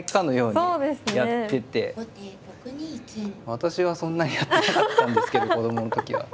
私はそんなにやってなかったんですけど子供の時は。